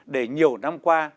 để nhiều năm qua